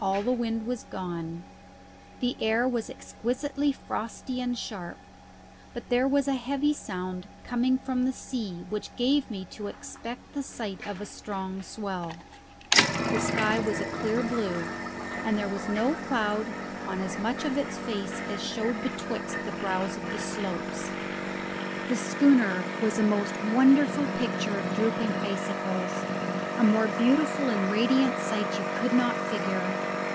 All the wind was gone. The air was exquisitely frosty and sharp. But there was a heavy sound coming from the sea which gave me to expect the sight of a strong swell. The sky was a clear blue, and there was no cloud on as much of its face as showed betwixt the brows of the slopes. The schooner was a most wonderful picture of drooping icicles. A more beautiful and radiant sight you could not figure.